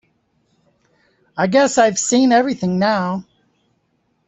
I guess I've seen everything now.